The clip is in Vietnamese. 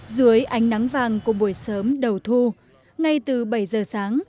dưới ánh nắng vàng của buổi sớm đầu thu ngay từ bảy giờ sáng